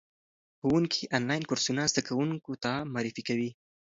ښوونکي آنلاین کورسونه زده کوونکو ته معرفي کوي.